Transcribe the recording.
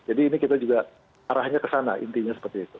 jadi ini kita juga arahnya ke sana intinya